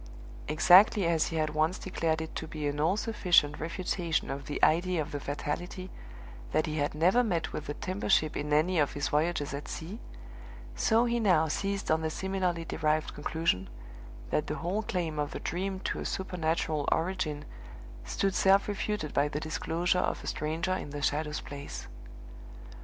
Exactly as he had once declared it to be an all sufficient refutation of the idea of the Fatality, that he had never met with the timber ship in any of his voyages at sea, so he now seized on the similarly derived conclusion, that the whole claim of the Dream to a supernatural origin stood self refuted by the disclosure of a stranger in the Shadow's place.